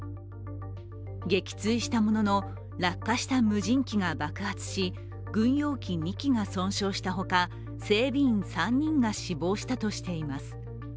撃墜したものの、落下した無人機が爆発し軍用機２機が損傷したほか整備員３人が死亡したとしています